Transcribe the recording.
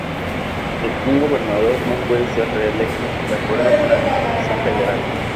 Un gobernador no puede ser reelecto, de acuerdo con la legislación federal.